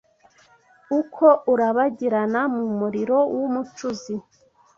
uko urabagiranira mu muriro w’umucuzi